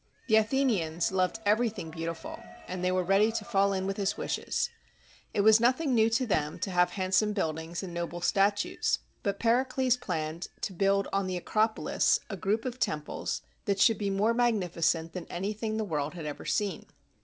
The Athenians loved everything beautiful, and they were ready to fall in with his wishes. It was nothing new to them to have handsome buildings and noble statues; but Pericles planned to build on the Acropolis a group of temples that should be more magnificent than anything the world had ever seen.